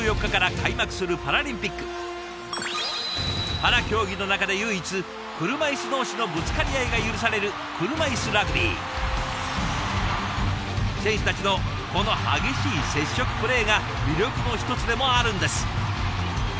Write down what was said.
パラ競技の中で唯一車いす同士のぶつかり合いが許される選手たちのこの激しい接触プレーが魅力の一つでもあるんです。